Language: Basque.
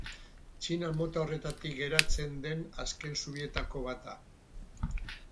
Txinan mota horretatik geratzen den azken zubietako bat da.